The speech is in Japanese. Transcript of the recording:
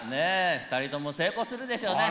ふたりとも成功するでしょうねえ！